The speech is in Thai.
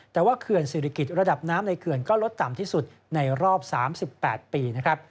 แต่ว่าเขื่อนศิริกิจระดับน้ำในเขื่อนก็ลดต่ำที่สุดในรอบ๓๘ปีนะครับ